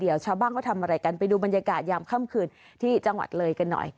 เดี๋ยวชาวบ้านเขาทำอะไรกันไปดูบรรยากาศยามค่ำคืนที่จังหวัดเลยกันหน่อย